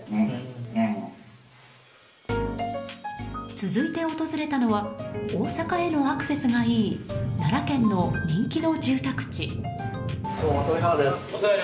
続いて訪れたのは大阪へのアクセスがいい奈良県の人気の住宅地。